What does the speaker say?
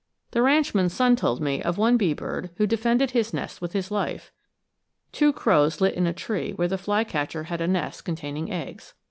The ranchman's son told me of one bee bird who defended his nest with his life. Two crows lit in a tree where the flycatcher had a nest containing eggs.